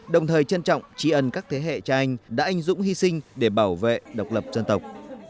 đồng thời trân trọng trí ân các thế hệ cha anh đã anh dũng hy sinh để bảo vệ độc lập dân tộc